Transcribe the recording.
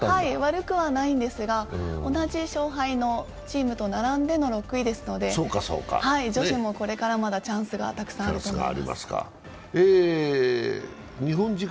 今、中国にだけ負けてる状況で決して悪くないんですが、同じ勝敗のチームと並んでの６位ですので、女子もこれかまだチャンスがたくさんあると思います。